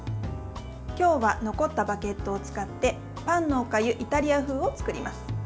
今日は残ったバゲットを使ってパンのおかゆイタリア風を作ります。